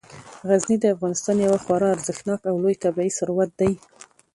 غزني د افغانستان یو خورا ارزښتناک او لوی طبعي ثروت دی.